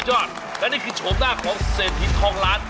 และนี่คือโฉมหน้าของเศรษฐีทองล้าน